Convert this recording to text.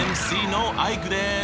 ＭＣのアイクです！